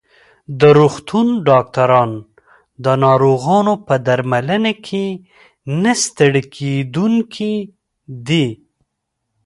د روغتون ډاکټران د ناروغانو په درملنه کې نه ستړي کېدونکي دي.